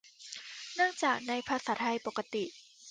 เนื่องจาก ในภาษาไทยปกติ